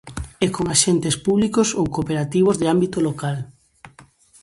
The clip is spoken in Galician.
E con axentes públicos ou cooperativos de ámbito local.